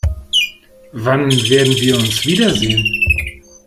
Wann werden wir uns wiedersehen?